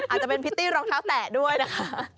อาจจะเป็นพริตตี้รองเท้าแตะด้วยนะคะ